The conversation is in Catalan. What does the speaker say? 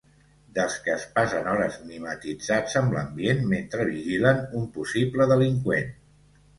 Dels que es passen hores mimetitzats amb l’ambient mentre vigilen un possible delinqüent.